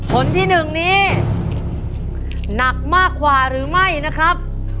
ผลที่๑นี้หนักมากกว่าหรือไม่นะครับ